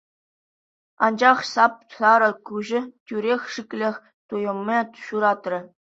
Анчах сап-сарӑ куҫӗ тӳрех шиклӗх туйӑмӗ ҫуратрӗ.